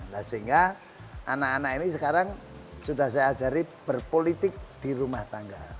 nah sehingga anak anak ini sekarang sudah saya ajari berpolitik di rumah tangga